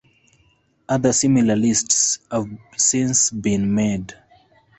Other similar lists have since been made.